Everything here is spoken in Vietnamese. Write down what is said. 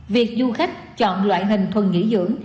việc du khách chọn loại hình thuần nghỉ dưỡng